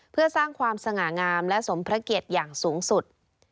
เพื่อสร้างความสง่างามและสมพระเกียรติอย่างสูงสุด